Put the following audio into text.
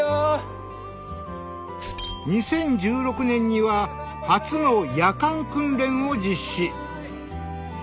２０１６年には初の夜間訓練を実施。